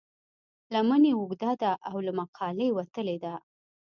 لمن یې اوږده ده او له مقالې وتلې ده.